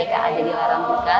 umat katelekaan di larang tuka